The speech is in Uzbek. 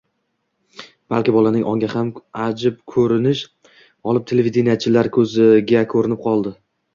balki bolaning ongi ham ajib ko‘rinish olib televideniyechilar ko‘ziga ko‘rinib qoldi.